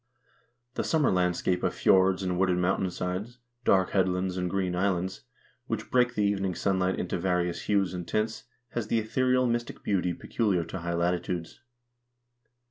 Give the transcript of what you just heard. The summer landscape of fjords and wooded mountain sides, dark headlands and green islands, which break the evening sunlight into various hues and tints, has the ethereal mystic beauty peculiar to high latitudes.